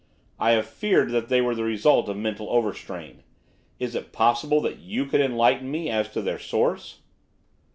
I have feared that they were the result of mental overstrain. Is it possible that you can enlighten me as to their source?